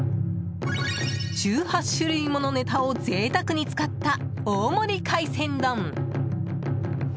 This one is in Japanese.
１８種類ものネタを贅沢に使った大盛り海鮮丼。